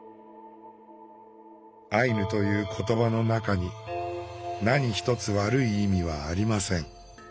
アイヌという言葉の中に何一つ悪い意味はありません。